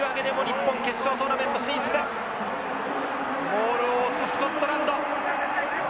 モールを押すスコットランド。